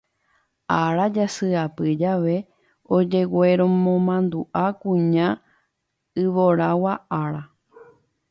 Ára jasyapy jave ojegueromanduʼa Kuña Yvoragua Ára.